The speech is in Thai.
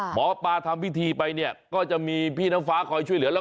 หมอปลาทำพิธีไปก็จะมีพี่น้ำฟ้าคอยช่วยเหลือ